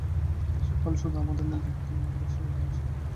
দেশ ও কাল শুধু আমাদের মধ্যেই বিদ্যমান, আমরা সেই অবিনাশী সত্তা।